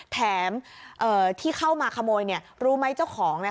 แถมเอ่อที่เข้ามาขโมยเนี่ยรู้ไหมเจ้าของเนี่ย